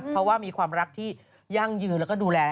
เพราะว่ามีความรักที่ยั่งยืนแล้วก็ดูแล